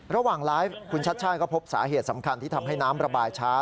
ระหว่างไลฟ์คุณชัดชาติก็พบสาเหตุสำคัญที่ทำให้น้ำระบายช้า